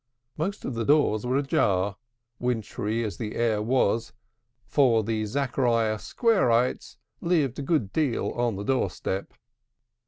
Most of the doors were ajar, wintry as the air was: for the Zachariah Squareites lived a good deal on the door step.